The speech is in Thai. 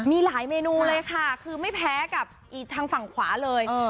มีหลายเมนูเลยค่ะคือไม่แพ้กับอีกทางฝั่งขวาเลย